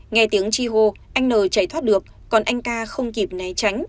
nghe tiếng chi hô anh n chảy thoát được còn anh ca không kịp né tránh